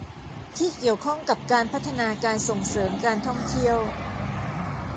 ที่เกี่ยวข้องกับการพัฒนาการส่งเสริมการท่องเที่ยว